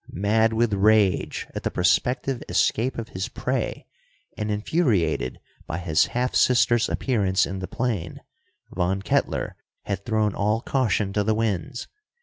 Mad with rage at the prospective escape of his prey, and infuriated by his half sister's appearance in the plane, Von Kettler had thrown all caution to the winds.